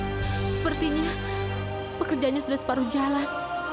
mira sepertinya pekerjanya sudah separuh jalan